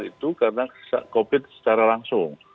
semua yang meninggal itu karena covid secara langsung